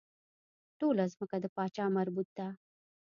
ټوله ځمکه د پاچا مربوط ده.